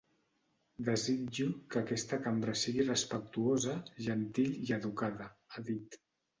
Desitjo que aquesta cambra sigui respectuosa, gentil i educada, ha dit.